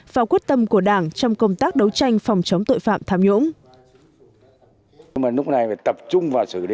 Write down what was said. và quyết tâm của đảng trong công tác đấu tranh phòng chống tội phạm tham nhũng